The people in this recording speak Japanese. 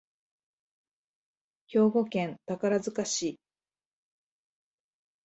兵庫県宝塚市